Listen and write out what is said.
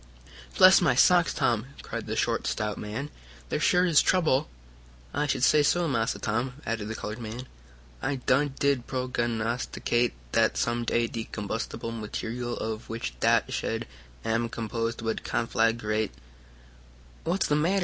"Bless my socks, Tom!" cried the short, stout man. "There sure is trouble!" "I should say So, Massa Tom!" added the colored man. "I done did prognosticate dat some day de combustible material of which dat shed am composed would conflaggrate " "What's the matter?"